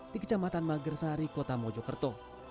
di kecamatan magersari kota mojokerto